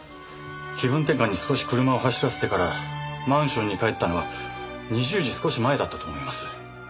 気分転換に少し車を走らせてからマンションに帰ったのは２０時少し前だったと思います。